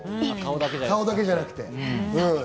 顔だけじゃなくて。